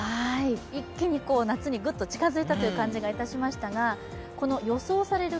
一気に夏にグッと近づいたという気がいたしましたが予想される